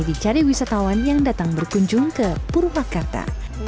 dicari wisatawan yang datang berkunjung ke purwakarta